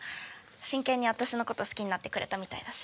真剣に私のこと好きになってくれたみたいだし。